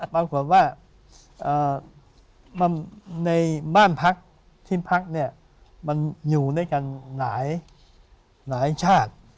ปรากฏว่าในบ้านพักที่พักเนี่ยมันอยู่ด้วยกันหลายชาติ